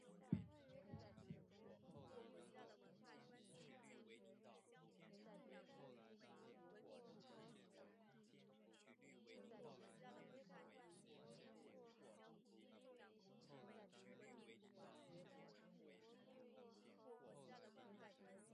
平时可以变成滑翔机。